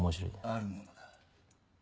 あるものだ。